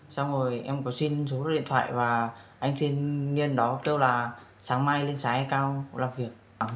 xong rồi em có xin số điện thoại và anh sinh viên đó kêu là sáng mai lên xã yà cao làm việc